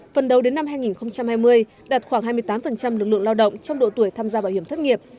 phần đầu đến năm hai nghìn hai mươi đạt khoảng hai mươi tám lực lượng lao động trong độ tuổi tham gia bảo hiểm thất nghiệp